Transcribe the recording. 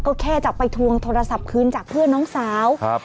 ก็แค่จะไปทวงโทรศัพท์คืนจากเพื่อนน้องสาวครับ